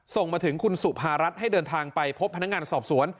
ส่งมาถึงคุณสุภารัฐให้เดินทางไปพบพนักงานสอบสวน